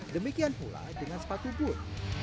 demikian pula dengan sepatu but